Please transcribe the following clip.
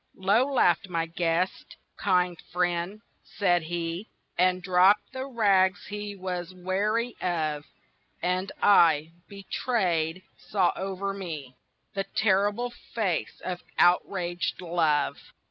Low laughed my guest: "Kind friend!" said he, And dropped the rags he was weary of; And I, betrayed, saw over me The terrible face of outraged Love.